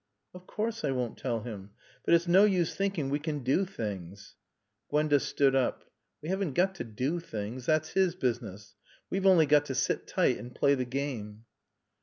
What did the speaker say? "Of course I won't tell him. But it's no use thinking we can do things." Gwenda stood up. "We haven't got to do things. That's his business. We've only got to sit tight and play the game."